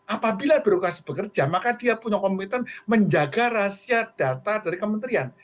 apabila birokrasi bekerja maka dia punya komitmen menjaga rahasia data dari kementerian